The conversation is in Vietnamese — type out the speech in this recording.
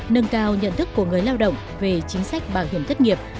nâng cao nhận thức của người lao động về chính sách bảo hiểm thất nghiệp